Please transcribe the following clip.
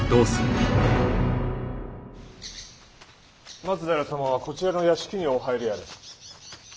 松平様はこちらの屋敷にお入りあれ。